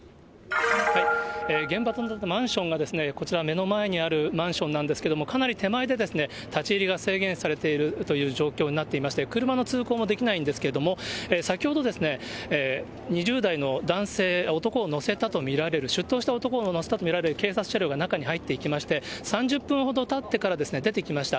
現場となったマンションがですね、こちら、目の前にあるマンションなんですけれども、かなり手前で立ち入りが制限されているという状況になっていまして、車の通行もできないんですけれども、先ほど、２０代の男性、男を乗せたと見られる、出頭した男を乗せたと見られる警察車両が中に入っていきまして、３０分ほどたってからですね、出てきました。